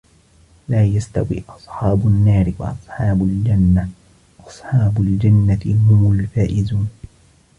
لا يستوي أصحاب النار وأصحاب الجنة أصحاب الجنة هم الفائزون